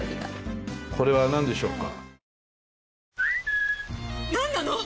これはなんでしょうか？